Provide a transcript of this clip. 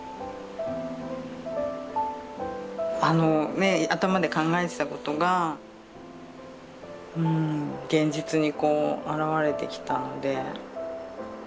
あのね頭で考えてたことがうん現実にこう現れてきたのでうん。